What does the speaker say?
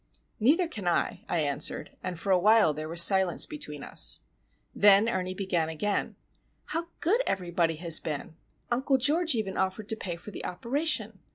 "Neither can I," I answered, and for a while there was silence between us. Then Ernie began again:—"How good everybody has been! Uncle George even offered to pay for the operation.